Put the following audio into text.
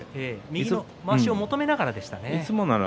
右のまわしを求めながらでしたね。